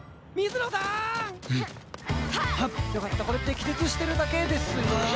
これって気絶してるだけですよね？